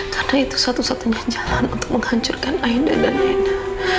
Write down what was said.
karena itu satu satunya jalan untuk menghancurkan aida dan lena